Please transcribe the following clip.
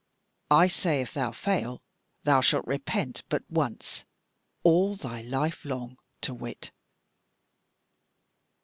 I say if thou fail, thou shalt repent but once all thy life long to wit."